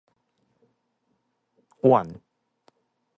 宛